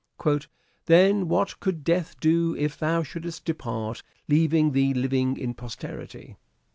'' Then what could death do if thou shouldst depart, Leaving thee living in posterity